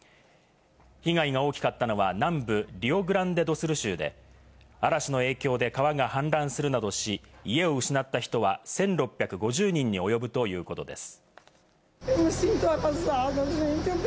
被害が大きかったのは、南部リオグランデドスル州で嵐の影響で川が氾濫するなどし、家を失った人は１６５０人に及ぶということです。